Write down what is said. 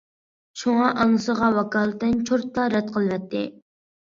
شۇڭا، ئانىسىغا ۋاكالىتەن چورتلا رەت قىلىۋەتتى.